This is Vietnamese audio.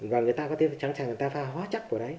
và người ta có thể sẵn sàng người ta pha hóa chất